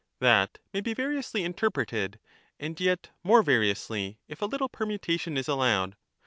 That may be variously interpreted ; and yet m.ore variously if a little permutation is allowed.